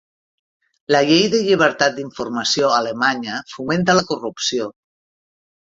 La llei de llibertat d'informació alemanya fomenta la corrupció.